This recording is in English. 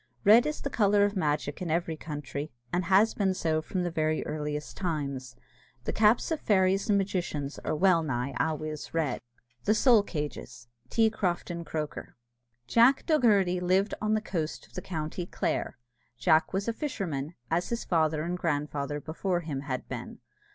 Red is the colour of magic in every country, and has been so from the very earliest times. The caps of fairies and magicians are well nigh always red. THE SOUL CAGES. T. CROFTON CROKER. Jack Dogherty lived on the coast of the county Clare. Jack was a fisherman, as his father and grandfather before him had been.